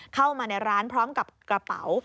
เข้ามาในร้านพร้อมกับกระเป๋า